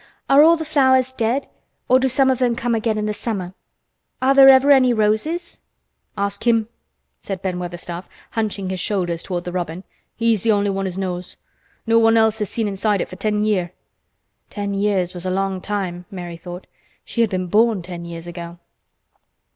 "Are all the flowers dead, or do some of them come again in the summer? Are there ever any roses?" "Ask him," said Ben Weatherstaff, hunching his shoulders toward the robin. "He's the only one as knows. No one else has seen inside it for ten year'." Ten years was a long time, Mary thought. She had been born ten years ago.